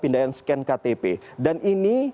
pindaian sken ktp dan ini